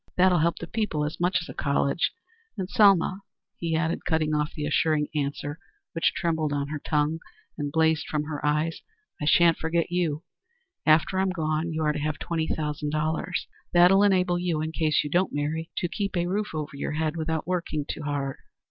That'll help the people as much as a college? And, Selma," he added, cutting off the assuring answer which trembled on her tongue and blazed from her eyes, "I shan't forget you. After I'm gone you are to have twenty thousand dollars. That'll enable you, in case you don't marry, to keep a roof over your head without working too hard."